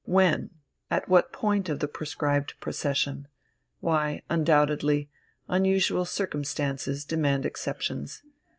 When? At what point of the prescribed procession? Why, undoubtedly, unusual circumstances demand exceptions.